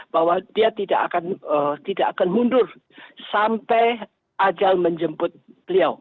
bahwa dia tidak akan mundur sampai ajal menjemput beliau